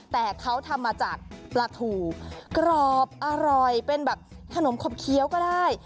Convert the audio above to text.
แต่เขาทำมาจากปลาทูกรอบอร่อยเป็นแบบขนมขบเคี้ยวก็ได้